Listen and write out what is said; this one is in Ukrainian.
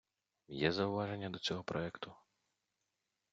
Є зауваження до цього проекту?